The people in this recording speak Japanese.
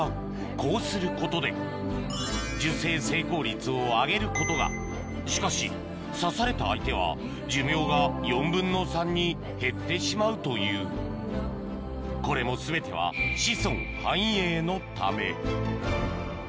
こうすることで受精成功率を上げることがしかし刺された相手は寿命が４分の３に減ってしまうというこれも全てはそうですよね。